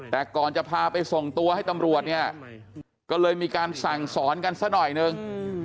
แต่ก่อนจะพาไปส่งตัวให้ตำรวจเนี่ยก็เลยมีการสั่งสอนกันซะหน่อยนึง